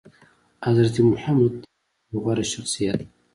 حضرت محمد د نړي غوره شخصيت وو